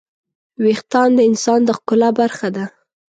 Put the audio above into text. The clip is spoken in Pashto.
وېښتيان د انسان د ښکلا برخه ده.